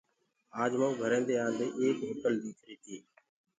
آج مئون گھرينٚدي آ نٚدي ايڪ هوٽل ديٚکريٚ تيٚ